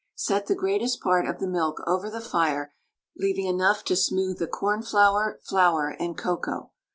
Set the greatest part of the milk over the fire, leaving enough to smooth the cornflour, flour, and cocoa.